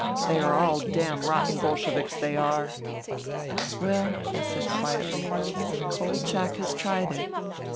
They are all damrotten Bol sheviks, they are." "Well," I said quietly, " Kolchak has tried it.